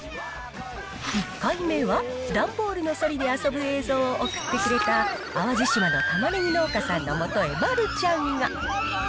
１回目は、段ボールのそりで遊ぶ映像を送ってくれた淡路島のたまねぎ農家さんのもとへ丸ちゃんが。